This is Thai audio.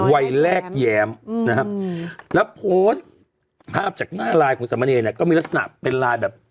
วัยแรกแย้มนะครับแล้วโพสต์ภาพจากหน้าลายของสามเณรเนี่ยก็มีลักษณะเป็นลายแบบ